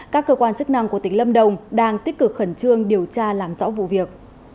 các cơ quan chức năng của tỉnh lâm đồng đang tích cực khẩn trương điều tra làm rõ vụ việc